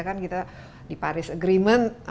kan kita di paris agreement